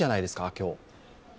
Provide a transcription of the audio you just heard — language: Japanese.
今日。